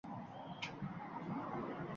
Karantin: